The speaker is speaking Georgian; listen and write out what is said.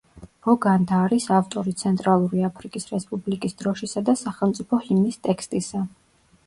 ბოგანდა არის ავტორი ცენტრალური აფრიკის რესპუბლიკის დროშისა და სახელმწიფო ჰიმნის ტექსტისა.